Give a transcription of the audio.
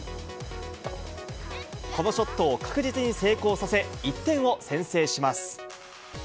このショットを確実に成功させ、１点を先制します。